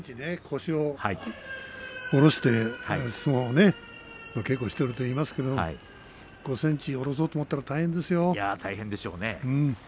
腰を低く下ろして相撲の稽古をしてるといいますけれども５ｃｍを下ろそうと思ったら大変でしょうね。